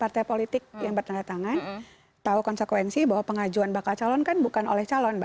partai politik yang bertanda tangan tahu konsekuensi bahwa pengajuan bakal calon kan bukan oleh calon